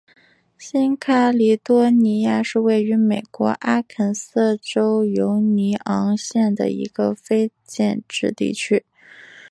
新喀里多尼亚是位于美国阿肯色州犹尼昂县的一个非建制地区。